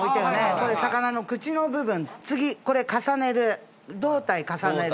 これ魚の口の部分次これ重ねる胴体重ねる